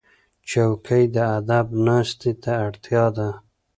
چوکۍ د ادب ناستې ته اړتیا ده.